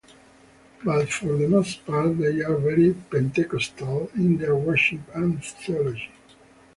But for the most part they are very Pentecostal in their worship and theology.